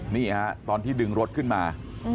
นี่ฮะตอนที่ดึงรถขึ้นมา